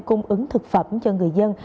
cung ứng thực phẩm cho người dân